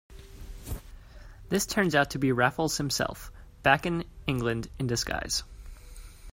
This turns out to be Raffles himself, back in England in disguise.